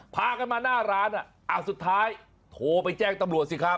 พากันมาหน้าร้านสุดท้ายโทรไปแจ้งตำรวจสิครับ